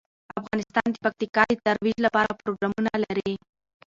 افغانستان د پکتیکا د ترویج لپاره پروګرامونه لري.